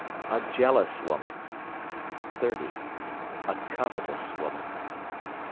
A jealous woman. 30. A covetous woman.